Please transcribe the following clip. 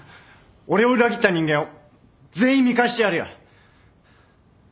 俺を裏切った人間を全員見返してやるよ